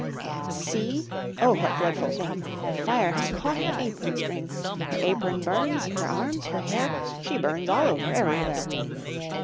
And see! oh, what dreadful thing! The fire has caught her apron string; Her apron burns, her arms, her hair She burns all over everywhere.